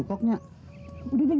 gak bakal jadi satu